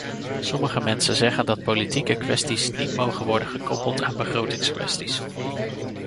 Sommige mensen zeggen dat politieke kwesties niet mogen worden gekoppeld aan begrotingskwesties.